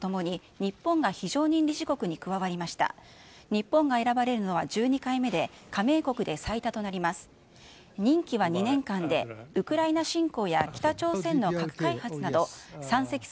日本が選ばれるのは１２回目で加盟国で最多となります。